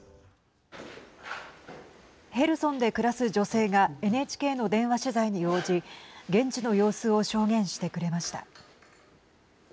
ヘルソンで暮らす女性がＮＨＫの電話取材に応じ現地の様子を証言してくれました。